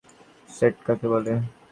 Set কাকে বলে?